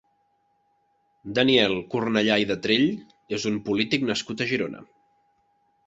Daniel Cornellà i Detrell és un polític nascut a Girona.